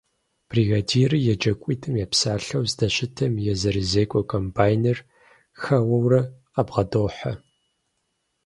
Бригадирыр еджакӀуитӀым епсалъэу здэщытым езырызекӀуэ комбайныр хэуэурэ къабгъэдохьэ.